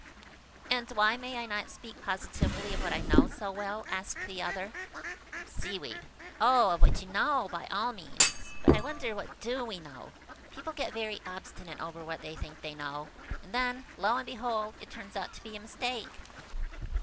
"And why may I not speak positively of what I know so well? " asked the other. Seaweed. "Oh, of what you know, by all means! But I wonder what we do know! People get very obstinate over what they think they know, and then, lo and behold! it turns out to be a mistake."